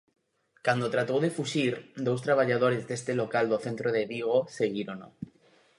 Cando tratou de fuxir, dous traballadores deste local do centro de Vigo seguírono.